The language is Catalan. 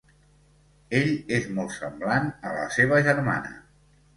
Ell és molt semblant a la seva germana.